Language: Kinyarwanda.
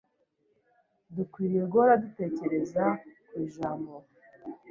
Dukwiriye guhora dutekereza ku Ijambo,